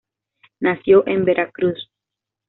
Nació en Veracruz.